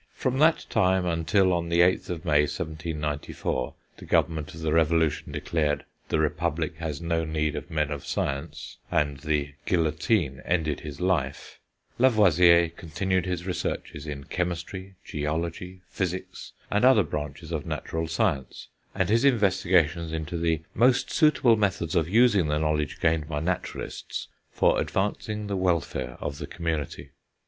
From that time until, on the 8th of May 1794, the Government of the Revolution declared, "The Republic has no need of men of science," and the guillotine ended his life, Lavoisier continued his researches in chemistry, geology, physics, and other branches of natural science, and his investigations into the most suitable methods of using the knowledge gained by naturalists for advancing the welfare of the community.